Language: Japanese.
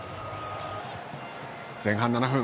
前半７分。